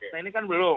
nah ini kan belum